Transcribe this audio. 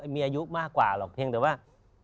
มีอายุมากกว่าหรอกเพียงแต่ว่า